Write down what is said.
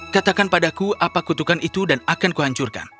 katakan padaku apa kutukan itu dan akan kuhancurkan